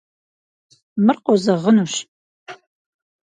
Мыр къозэгъынущ.